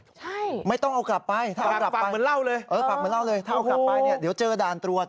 ใช่ฝากเหมือนเหล้าเลยถ้าเอากลับไปเดี๋ยวเจอด่านตรวจ